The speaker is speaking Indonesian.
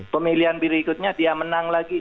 pemilihan berikutnya dia menang lagi